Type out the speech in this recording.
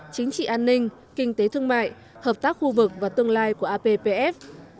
chính trị an ninh kinh tế thương mại hợp tác khu vực và tương lai của appf